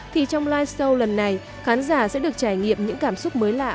thì trong live show lần này khán giả sẽ được trải nghiệm những cảm xúc mới lạ